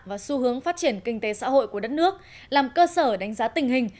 và xu hướng phát triển kinh tế xã hội của đất nước làm cơ sở đánh giá tình hình